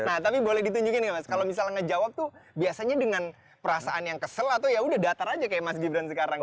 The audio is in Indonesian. nah tapi boleh ditunjukin ya mas kalau misalnya ngejawab tuh biasanya dengan perasaan yang kesel atau ya udah datar aja kayak mas gibran sekarang